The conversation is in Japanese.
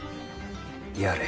やれ。